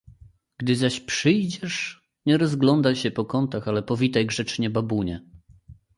"Gdy zaś przyjdziesz, nie rozglądaj się po kątach, ale powitaj grzecznie babunię."